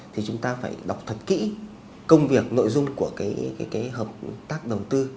thì chúng ta phải đọc thật kỹ công việc nội dung của cái hợp tác đầu tư